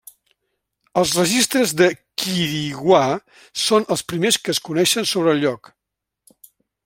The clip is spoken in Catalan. Els registres de Quiriguá són els primers que es coneixen sobre el lloc.